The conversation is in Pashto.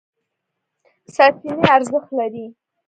سرچینې ارزښت لري.